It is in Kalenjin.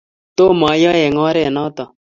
tomo ayoe eng' oret noto